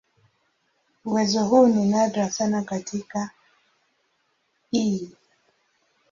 Uwezo huu ni nadra sana katika "E.